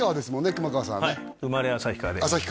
熊川さんはね